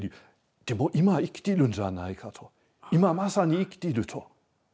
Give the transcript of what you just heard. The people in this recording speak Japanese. でも今生きてるんじゃないかと。今まさに生きていると。